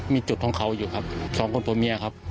มีจุดของเขาอยู่ครับสองคนผัวเมียครับ